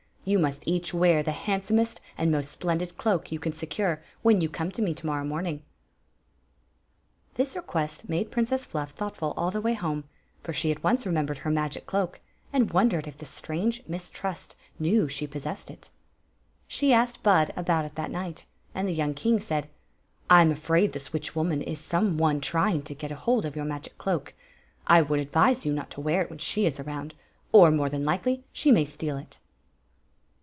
You must each wear the handsomest and most splendid cloak you can secure when you come to me to morrow morning." This request made Princess Fluff thoughtful all the way home, for she at once remembered her ms^c cloak, and wondered if the strange Miss Trust knew she possessed it Story of the Magic C loak 155 She asked Bud about it that night, and the young king said :" I m afraid this witrh woman is some one trying NOW, THailB IS to get hoW <rf y&m a^gk cloak. I would advise you 1^ to wenr k «iui she is around^ or, more than IScely, she may steal it."